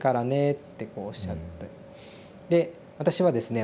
で私はですね